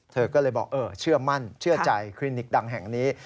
เธอก็เลยบอกเชื่อมั่นเชื่อใจคลินิกดังแห่งนี้